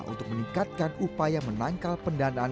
untuk meningkatkan upaya menangkal pendanaan